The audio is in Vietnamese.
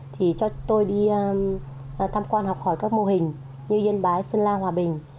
thì cho tôi đi tham quan học hỏi các mô hình như yên bái sơn la hòa bình